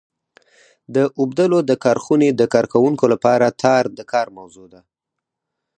د اوبدلو د کارخونې د کارکوونکو لپاره تار د کار موضوع ده.